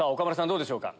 どうでしょうか？